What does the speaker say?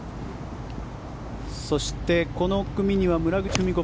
そしてこの組には村口史子